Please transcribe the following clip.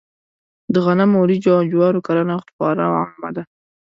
د غنمو، وريجو او جوارو کرنه خورا عامه ده.